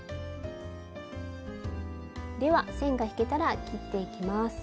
では線が引けたら切っていきます。